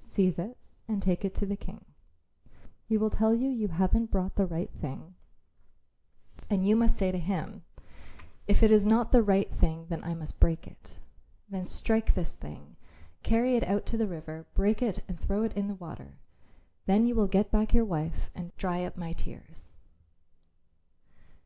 Seize it and take it to the King. He will tell you you haven't brought the right thing, and you must say to him, 'If it is not the right thing then I must break it.' Then strike this thing; carry it out to the river; break it and throw it into the water. Then you will get back your wife and dry up my tears."